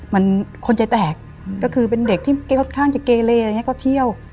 มันคนใจแตกก็คือเป็นเด็กที่ค่อนข้างจะเกเลอะไรอย่างนี้ก็เที่ยว